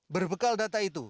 berbekal data itu